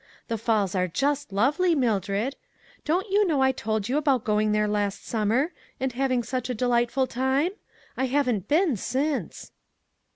The falls are just lovely, Mildred. Don't you know I told you about going there last summer, and having such a delightful time? I haven't been since."